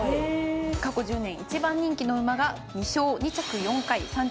過去１０年１番人気の馬が２勝２着４回３着２回。